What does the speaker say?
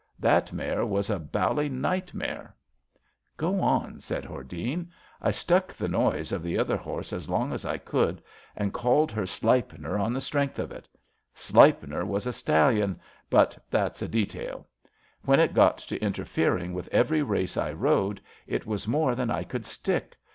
That mare was a bally nightmare." Go on," said Hordene. I stuck the noise of the other liorse as long as I could, and called her Sleipner on the strength of it. Sleipner was a stallion, but that's a detail. iVhen it got to interfering with every race I rode it was more than I could stick.